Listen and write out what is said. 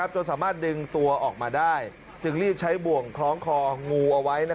จนสามารถดึงตัวออกมาได้จึงรีบใช้บ่วงคล้องคองูเอาไว้